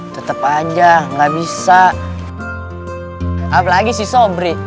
tetep aja nggak bisa apalagi sih sobri